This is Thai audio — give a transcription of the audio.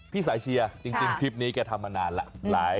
สายเชียร์จริงคลิปนี้แกทำมานานแล้ว